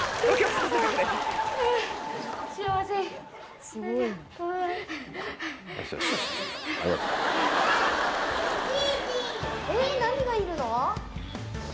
幸せえっ何がいるの？